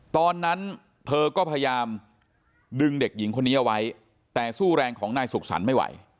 ตอนนั้นเธอก็พยายามดึงเด็กหญิงคนนี้เอาไว้แต่สู้แรงของนายสุขสรรค์ไม่ไหว